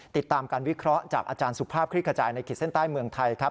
ติดตามการวิเคราะห์จากอาจารย์สุภาพคลิกขจายในขีดเส้นใต้เมืองไทยครับ